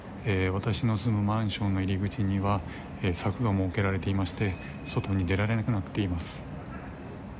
私の住むマンションの入り口には柵が設けられていまして外に出られなくなっています。